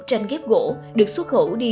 tranh ghép gỗ được xuất khẩu đi